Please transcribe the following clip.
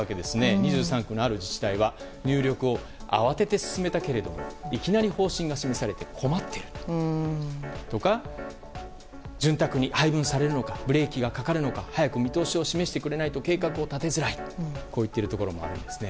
２３区のある自治体は入力を慌てて進めたけれどもいきなり方針が示されて困っているとか潤沢に配分されるのかブレーキがかかるのか早く見通しを示してくれないと計画を立てづらいと言っているところもあるんですね。